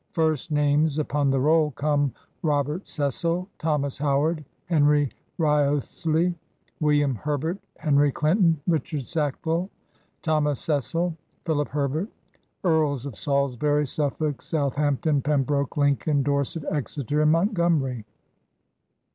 First names upon the roll come Robert Cecil, Thomas Howard, Henry Wriothes ley, William Herbert, Henry Clinton, Richard Sackville, Thomas Cecil, Philip Herbert — Earls of Salisbury, Suffolk, Southampton, Pembroke, Lincoln, Dorset, Exeter, and Montgomery.